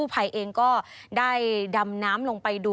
สวัสดีค่ะสวัสดีค่ะ